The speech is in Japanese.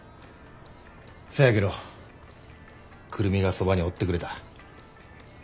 そやけど久留美がそばにおってくれた。